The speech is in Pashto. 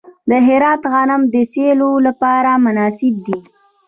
د هرات غنم د سیلو لپاره مناسب دي.